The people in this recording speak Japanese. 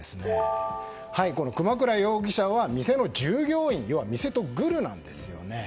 熊倉容疑者は店の従業員要は店とグルなんですね。